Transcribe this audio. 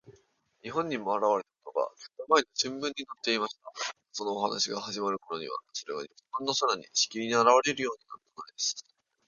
日本にもあらわれたことが、ずっとまえの新聞にのっていましたが、そのお話のはじまるころには、それが日本の空に、しきりにあらわれるようになったのです。